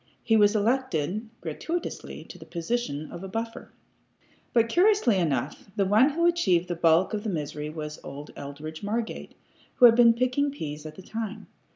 He was elected, gratuitously, to the position of a buffer. But, curiously enough, the one who achieved the bulk of the misery was old Eldridge Margate, who had been picking pease at the time.